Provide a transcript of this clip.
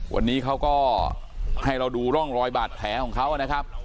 วันนี้เขาก็ให้เราดูร่องรอยบาดแผลของเขานะครับ